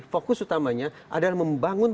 fokus utamanya adalah membangun